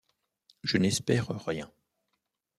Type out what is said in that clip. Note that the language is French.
Je n’espère rien.